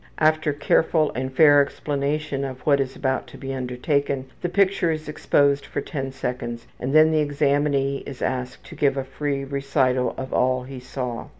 After careful and fair explanation of what is about to be undertaken, the picture is exposed for ten seconds, and then the examinee is asked to give a free recital of all he saw.